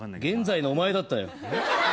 現在のお前だったよ。